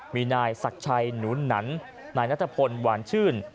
มีนายศักดิ์ชัยหนูหนันนายนัทพลหวานชื่น